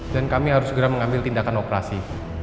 dan kami harus segera mengambil tindakan operasi